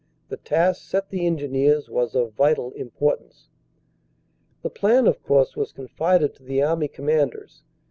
The task set the Engineers was of vital importance." The plan, of course, was confided to the Army Command ers.